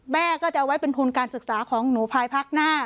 แม่ก็จะเอาไว้เป็นทุนการศึกษาของหนูภายพักหน้า